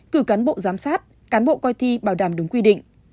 cử cán bộ giám sát cán bộ coi thi bảo đảm đúng quy định